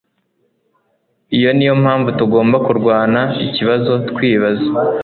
Iyo niyo mpamvu tugomba kurwana ikibazo twibaza